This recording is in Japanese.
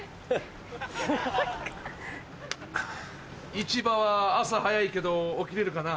市場は朝早いけど起きれるかな？